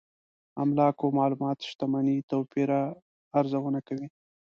املاکو معلومات شتمنۍ توپير ارزونه کوي.